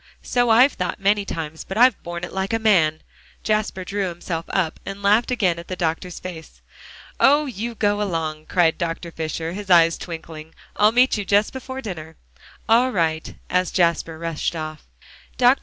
"So I've thought a good many times, but I've borne it like a man." Jasper drew himself up, and laughed again at the doctor's face. "Oh! you go along," cried Dr. Fisher, his eyes twinkling. "I'll meet you just before dinner." "All right," as Jasper rushed off. Dr.